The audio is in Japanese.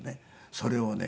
それをね